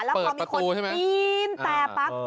แล้วพอมีคนปีนแต่ปั๊บ